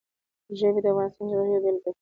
ژبې د افغانستان د جغرافیې یوه بېلګه ده.